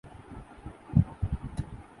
یہ اقلیتوں کا لیبل ہی بڑا عجیب ہے۔